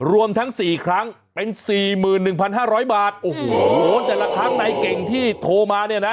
รวมทั้ง๔ครั้งเป็น๔๑๕๐๐บาทแต่ละครั้งในเก่งที่โทรมาเนี่ยนะ